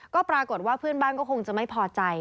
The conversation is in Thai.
ก็ปรากฏว่าเพื่อนบ้านก็คงจะไม่พอใจ